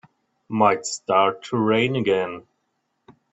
Might start to rain again.